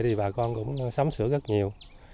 thì bà con cũng sắm sửa rất nhiều